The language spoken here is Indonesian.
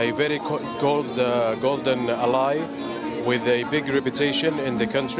seorang partner yang sangat berharga dengan reputasi besar di negara